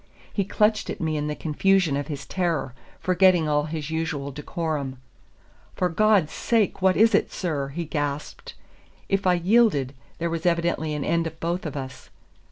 He clutched at me in the confusion of his terror, forgetting all his usual decorum. "For God's sake, what is it, sir?" he gasped. If I yielded, there was evidently an end of both of us.